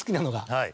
はい。